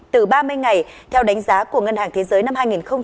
từ ba mươi ngày theo đánh giá của ngân hàng thế giới năm hai nghìn một mươi bảy